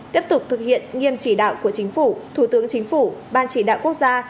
tiếp tục thực hiện nghiêm chỉ đạo của chính phủ thủ tướng chính phủ ban chỉ đạo quốc gia